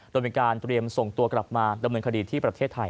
โดยมีการเตรียมส่งตัวกลับมาดำเนินคดีที่ประเทศไทย